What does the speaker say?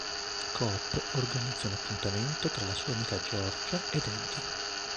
Coop organizza un appuntamento tra la sua amica Georgia ed Eddie.